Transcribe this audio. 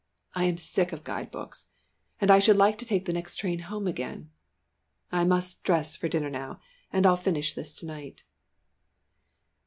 I am sick of guide books, and I should like to take the next train home again. I must dress for dinner now, and I'll finish this to night."